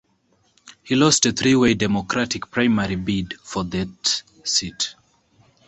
He lost a three-way Democratic primary bid for that seat.